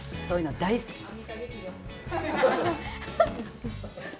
そういうの、大好き！